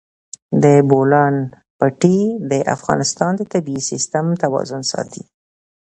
د بولان پټي د افغانستان د طبعي سیسټم توازن ساتي.